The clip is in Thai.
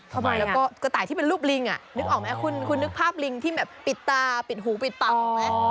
กระต่ายที่เป็นรูปลิงนึกออกไหมคุณนึกภาพลิงที่แบบปิดตาปิดหูปิดปัง